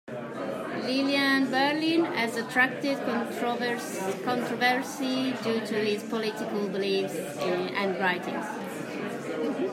Lillian Berlin has attracted controversy due to his political beliefs and writing's.